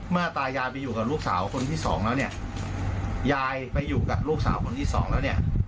ตายายไปอยู่กับลูกสาวคนที่สองแล้วเนี่ยยายไปอยู่กับลูกสาวคนที่สองแล้วเนี่ย